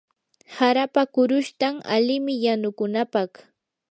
harapa qurushtan alimi yanukunapaq.